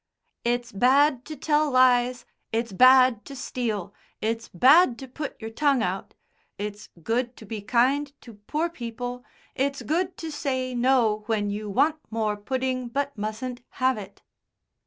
"It's bad to tell lies. It's bad to steal. It's bad to put your tongue out. It's good to be kind to poor people. It's good to say 'No' when you want more pudding but mustn't have it."